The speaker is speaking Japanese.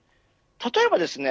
例えばですね